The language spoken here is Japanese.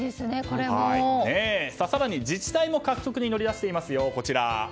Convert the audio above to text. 更に、自治体も獲得に乗り出しています。